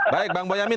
baik bang uyamin